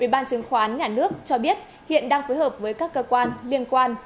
ủy ban chứng khoán nhà nước cho biết hiện đang phối hợp với các cơ quan liên quan